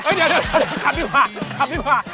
เดี๋ยวขับดีกว่าขับดีกว่า